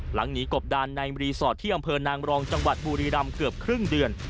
หนีกบดานในรีสอร์ทที่อำเภอนางรองจังหวัดบุรีรำเกือบครึ่งเดือน